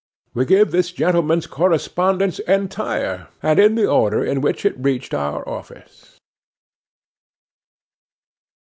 We give this gentleman's correspondence entire, and in the order in which it reached our office.